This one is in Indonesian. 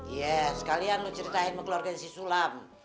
iya sekalian lu ceritain mengeluarkan si sulam